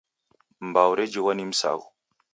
Mbau rejighwa ni msaghu.